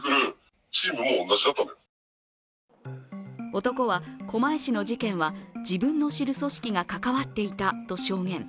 男は、狛江市の事件は自分の知る組織が関わっていたと証言。